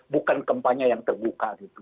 bukan kampanye yang terbuka